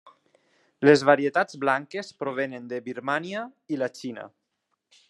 Les varietats blanques provenen de Birmània i la Xina.